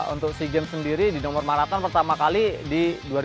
untuk si james sendiri di nomor maraton pertama kali di dua ribu tujuh belas